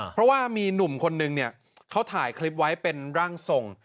เพราะว่ามีหนุ่มคนนึงเนี่ยเขาถ่ายคลิปไว้เป็นร่างทรง